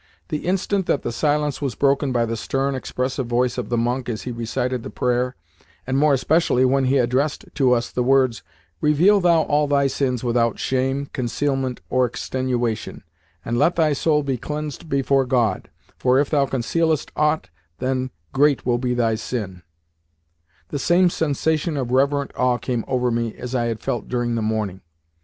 The instant that the silence was broken by the stern, expressive voice of the monk as he recited the prayer and more especially when he addressed to us the words: "Reveal thou all thy sins without shame, concealment, or extenuation, and let thy soul be cleansed before God: for if thou concealest aught, then great will be thy sin" the same sensation of reverent awe came over me as I had felt during the morning.